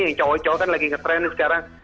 yang cowok cowok kan lagi ngetrend sekarang